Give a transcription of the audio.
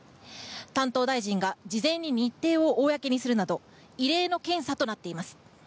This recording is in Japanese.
担当大臣が事前に日程を公にするなど異例の検査となっています。